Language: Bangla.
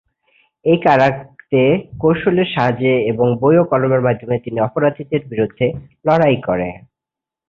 এই কারাতে কৌশলের সাহায্যে এবং বই ও কলমের মাধ্যমে তিনি অপরাধীদের বিরুদ্ধে লড়াই করে।